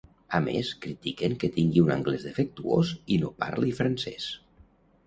A més, critiquen que tingui un anglès defectuós i no parli francès.